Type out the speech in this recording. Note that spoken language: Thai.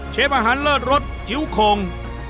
อาหารเลิศรสจิ้วโคง